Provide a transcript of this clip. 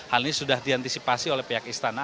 hal ini sudah diantisipasi oleh pihak istana